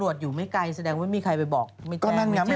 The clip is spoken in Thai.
พี่ชอบแซงไหลทางอะเนาะ